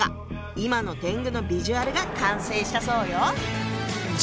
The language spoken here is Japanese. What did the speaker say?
今の天狗のビジュアルが完成したそうよ。